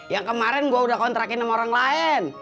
yang kemarin gue udah kontrakin sama orang lain